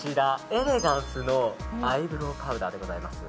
エレガンスのアイブローパウダーでございます。